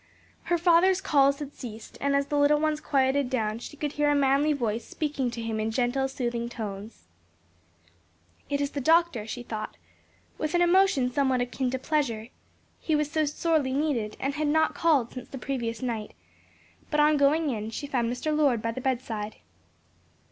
Her father's calls had ceased and as the little ones quieted down she could hear a manly voice speaking to him in gentle soothing tones. "It is the doctor," she thought, with an emotion somewhat akin to pleasure; he was so sorely needed and had not called since the previous night; but on going in she found Mr. Lord by the bedside.